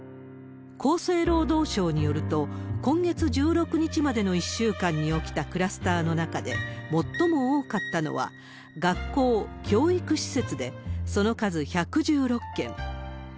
厚生労働省によると、今月１６日までの１週間に起きたクラスターの中で最も多かったのは、学校、教育施設で、その数１１６件。